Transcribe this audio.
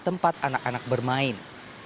tempat anak anak bermain